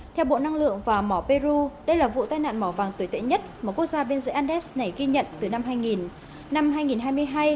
theo bộ năng lượng và mỏ peru đây là vụ tai nạn mỏ vàng tồi tệ nhất mà quốc gia bên dưới andes này ghi nhận từ năm hai nghìn